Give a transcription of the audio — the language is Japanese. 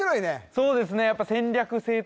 そうですね